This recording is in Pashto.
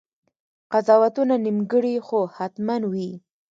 قضاوتونه نیمګړي خو حتماً وي.